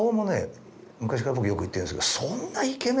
昔から僕よく言ってんですけど。